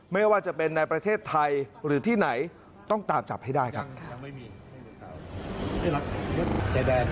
ไม่ว่าจะเป็นในประเทศไทยหรือที่ไหนต้องตามจับให้ได้ครับ